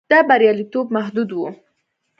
دا بریالیتوب محدود و.